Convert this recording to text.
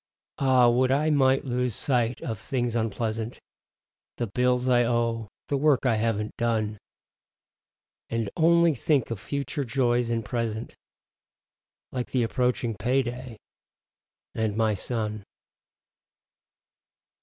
Ah, would I might lose sight of things unpleasant: The bills I owe; the work I haven't done. And only think of future joys and present, Like the approaching payday, and my son.